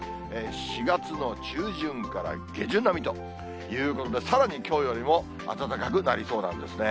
４月の中旬から下旬並みということで、さらにきょうよりも暖かくなりそうなんですね。